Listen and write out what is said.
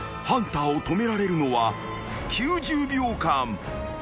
［ハンターを止められるのは９０秒間］